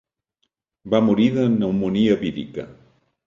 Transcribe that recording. Va morir de pneumònia vírica.